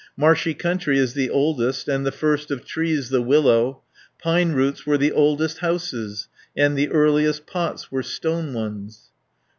"Marshy country is the oldest, And the first of trees the willow. Pine roots were the oldest houses, And the earliest pots were stone ones."